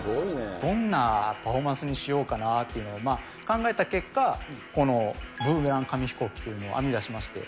どんなパフォーマンスにしようかなっていうのを考えた結果、このブーメラン紙飛行機というのを編み出しまして。